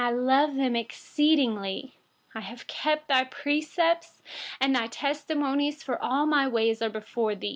I love them exceedingly. 168I have obeyed your precepts and your testimonies, for all my ways are before you.